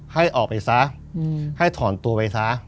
ให้ออกไปซะให้ถอนตัวไปซะ